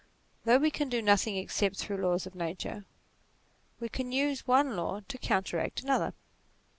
Though we can do nothing except through laws of nature, we can use one law to counter act another.